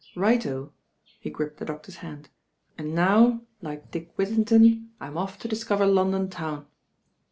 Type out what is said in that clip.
"Right o," he gripped the doctor's hand, "and now, like Dick Whittington, I'm off to discover London town."